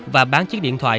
và bán chiếc điện thoại